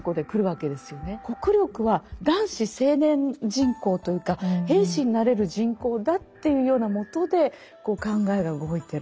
国力は男子青年人口というか兵士になれる人口だっていうようなもとで考えが動いてる。